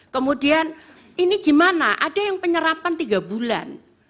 kemudian ini gimana ada yang penyerapan tiga bulan